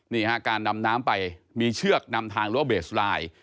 นี่ฮะการดำน้ำไปมีเชือกนำทางหรือว่าเบสไลน์